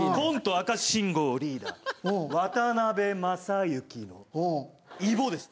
赤信号リーダー渡辺正行のイボです。